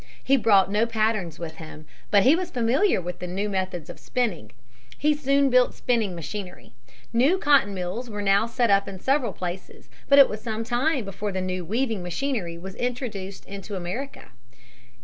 He brought no patterns with him. But he was familiar with the new methods of spinning. He soon built spinning machinery. New cotton mills were now set up in several places. But it was some time before the new weaving machinery was introduced into America.